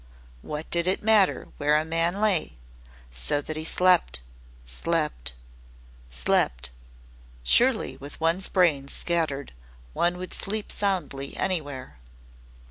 What did it matter where a man lay, so that he slept slept slept? Surely with one's brains scattered one would sleep soundly anywhere.